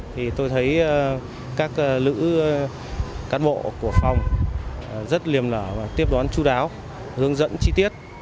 thì tôi thấy các nữ cán bộ của phòng rất liềm lở và tiếp đón chú đáo hướng dẫn chi tiết